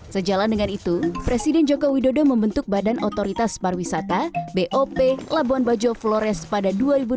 sejalan dengan itu presiden joko widodo membentuk badan otoritas parwisata bop labuan bajo flores pada dua ribu delapan belas